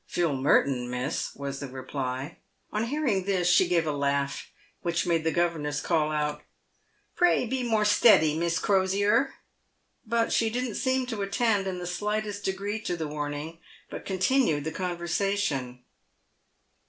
" Philip Merton, miss," was the reply. On hearing this she gave a laugh, which made the governess call out, " Pray be more steady, Miss Crosier !" but she didn't seem to attend in the slightest degree to the warning, but continued the conversation.